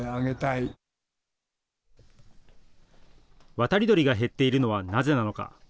渡り鳥が減っているのはなぜなのか。